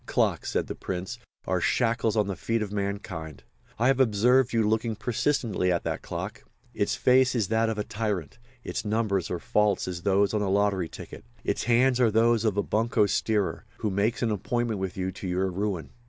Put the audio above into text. "Clocks," said the Prince, "are shackles on the feet of mankind. I have observed you looking persistently at that clock. Its face is that of a tyrant, its numbers are false as those on a lottery ticket; its hands are those of a bunco steerer, who makes an appointment with you to your ruin.